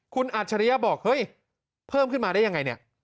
คุณอัจฉริยะบอกเฮ้ยเพิ่มขึ้นมาได้ยังไงเนี่ย